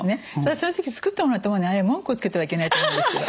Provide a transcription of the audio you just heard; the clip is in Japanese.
その時作ってもらったものに文句をつけてはいけないと思うんですけど。